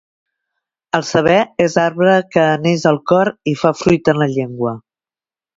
El saber és arbre que neix al cor i fa fruit en la llengua.